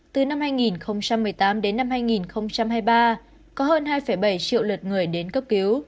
từ năm hai nghìn một mươi tám đến năm hai nghìn hai mươi ba có hơn hai bảy triệu lượt người đến cấp cứu